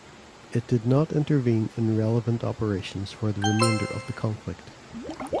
It did not intervene in relevant operations for the remainder of the conflict.